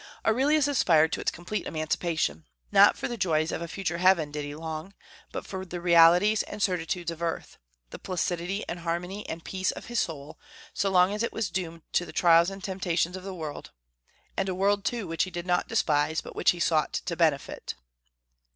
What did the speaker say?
Aurelius aspired to its complete emancipation. Not for the joys of a future heaven did he long, but for the realities and certitudes of earth, the placidity and harmony and peace of his soul, so long as it was doomed to the trials and temptations of the world, and a world, too, which he did not despise, but which he sought to benefit.